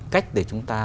cách để chúng ta